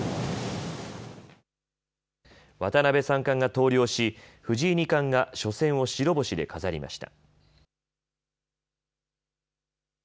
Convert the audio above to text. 渡辺三冠が投了し藤井二冠が初戦を白星で飾りました。